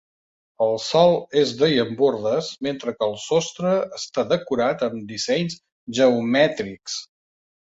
El sòl és de llambordes mentre que el sostre està decorat amb dissenys geomètrics.